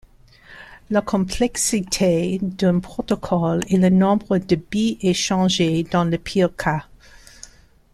La complexité d'un protocole est le nombre de bit échangés dans le pire cas.